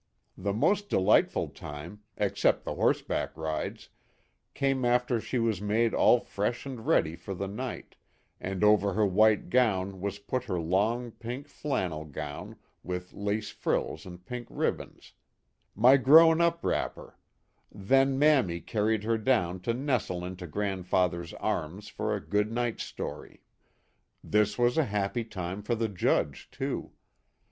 "MISSMILLY." I0 $ The most delightful time, except the horseback rides, came after she was made all fresh and ready for the night, and over her white gown was put her long pink flannel gown with lace frills and pink ribbons " my grown up wrapper " then Mammy carried her down to nestle into Grand father's arms for " a good night story." This was a happy time for the Judge, too.